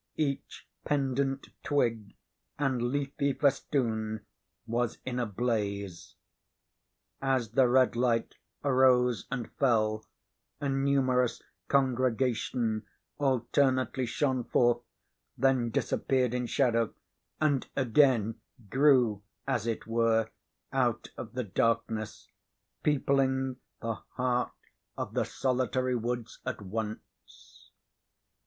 Each pendent twig and leafy festoon was in a blaze. As the red light arose and fell, a numerous congregation alternately shone forth, then disappeared in shadow, and again grew, as it were, out of the darkness, peopling the heart of the solitary woods at once.